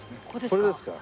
これですか？